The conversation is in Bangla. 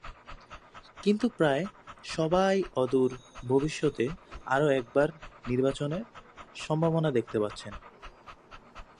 কিন্তু প্রায় সবাই অদূর ভবিষ্যতে আরও একবার নির্বাচনের সম্ভাবনা দেখতে পাচ্ছেন।